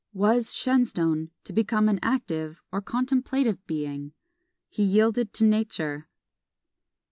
Was Shenstone to become an active or contemplative being? He yielded to nature!